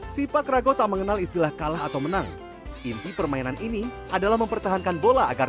sipak rago tak mengenal istilah kalah atau menang inti permainan ini adalah mempertahankan bola agar